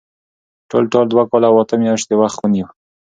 ټولټال دوه کاله او اته میاشتې وخت ونیو.